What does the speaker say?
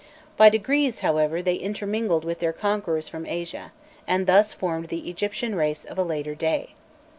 By degrees, however, they intermingled with their conquerors from Asia, and thus formed the Egyptian race of a later day.